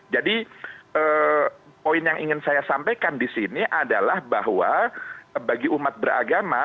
jadi poin yang ingin saya sampaikan di sini adalah bahwa bagi umat beragama